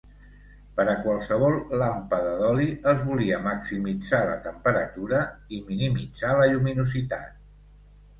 Per a qualsevol làmpada d'oli, es volia maximitzar la temperatura i minimitzar la lluminositat.